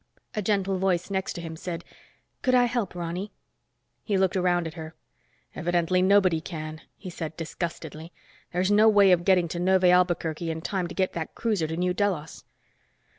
A gentle voice next to him said, "Could I help, Ronny?" He looked around at her. "Evidently, nobody can," he said disgustedly. "There's no way of getting to Neuve Albuquerque in time to get that cruiser to New Delos."